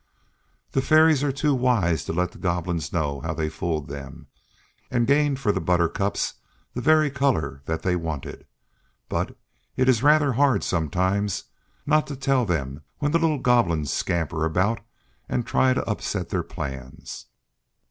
The Fairies are too wise to let the Goblins know how they fooled them and gained for the Buttercups the very color that they wanted, but it is rather hard sometimes not to tell them when the little Goblins scamper about and try to upset their plans.